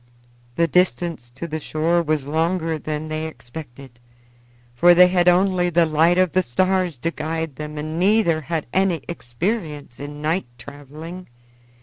The distance to the shore was longer than they expected, for they had only the light of the stars to guide them and neither had any experience in night traveling.